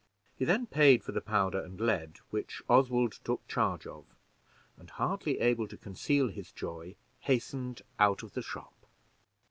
He then paid for the powder and lead, which Oswald took charge of, and, hardly able to conceal his joy, hastened out of the shop.